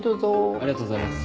ありがとうございます。